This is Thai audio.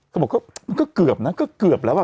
เขาบอกมันก็เกือบนะก็เกือบแล้วอ่ะ